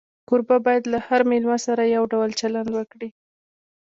کوربه باید له هر مېلمه سره یو ډول چلند وکړي.